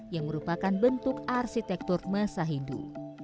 yang merupakan bentuk arsitektur masa hindu